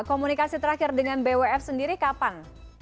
komunikasi terakhir dengan bwf sendiri kapan